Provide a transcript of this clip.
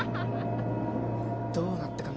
どうなったかな？